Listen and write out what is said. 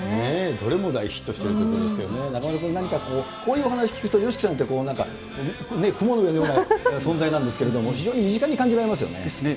どれも大ヒットしているということなんですが、中丸君、何かこういうお話聞くと、ＹＯＳＨＩＫＩさんって、雲の上のような存在なんですけれども、非常にですね。